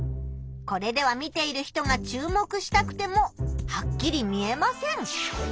これでは見ている人が注目したくてもはっきり見えません。